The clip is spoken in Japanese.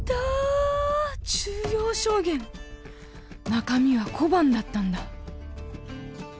中身は小判だったんだ。